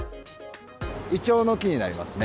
イチョウの木になりますね。